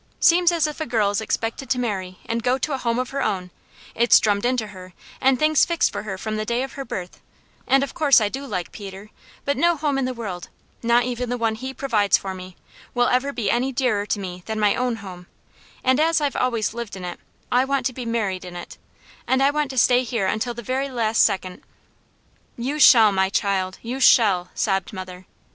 Seems as if a girl is expected to marry and go to a home of her own; it's drummed into her and things fixed for her from the day of her birth; and of course I do like Peter, but no home in the world, not even the one he provides for me, will ever be any dearer to me than my own home; and as I've always lived in it, I want to be married in it, and I want to stay here until the very last second " "You shall, my child, you shall!" sobbed mother.